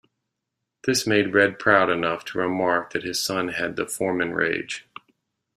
This made Red proud enough to remark that his son had the Forman Rage.